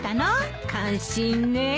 感心ねえ。